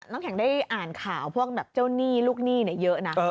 น้ำแข็งได้อ่านข่าวพวกแบบเจ้าหนี้ลูกหนี้เยอะนะ